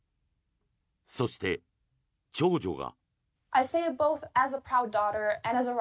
そして、長女が。